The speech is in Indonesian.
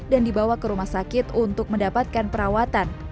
dan dibawa ke rumah sakit untuk mendapatkan perawatan